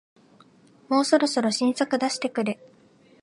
もうそろそろ新作出してくれ